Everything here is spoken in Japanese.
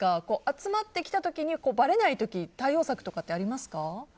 集まってきた時にばれない時対応策とかありますか？